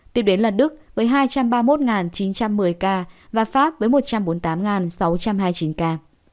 tiếp đến là đức với hai trăm ba mươi một chín trăm một mươi ca và pháp với một trăm bốn mươi tám sáu trăm hai mươi chín ca